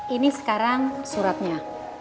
ini sekarang suratnya